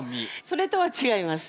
それとは違います。